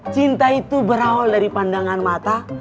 cinta itu berawal dari pandangan mata